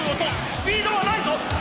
スピードはない！